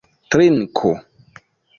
trinku